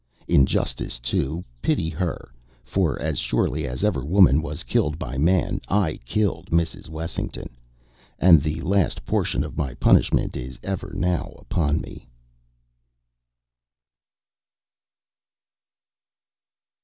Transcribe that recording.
In justice, too, pity her. For as surely as ever woman was killed by man, I killed Mrs. Wessington. And the last portion of my punishment is ever now upon me.